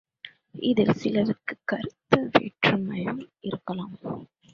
இதில் சிலர்க்குக் கருத்து வேற்றுமையும் இருக்கலாம்.